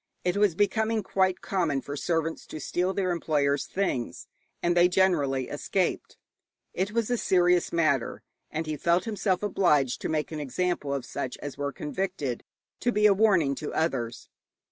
It was becoming quite common for servants to steal their employers' things, and they generally escaped. It was a serious matter, and he felt himself obliged to make an example of such as were convicted, to be a warning to others.